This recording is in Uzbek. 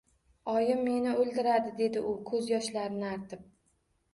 Oyim, meni o`ldiradi, dedi u ko`z yoshlarini artib